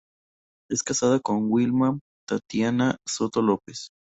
Es casado con Wilma Tatiana Soto López.